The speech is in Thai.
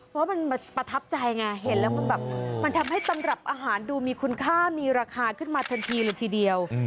เพราะมันประทับใจไงเห็นแล้วมันแบบมันทำให้ตำรับอาหารดูมีคุณค่ามีราคาขึ้นมาทันทีเลยทีเดียว